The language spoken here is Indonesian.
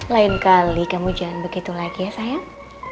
lain kali kamu jangan begitu lagi ya sayang